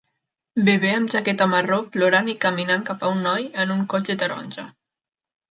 Bebè amb jaqueta marró plorant i caminant cap a un noi, en un cotxe taronja.